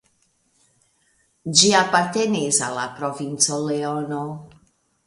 Ĝi apartenis al la Provinco Leono.